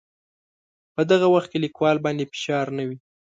په دغه وخت کې لیکوال باندې فشار نه وي.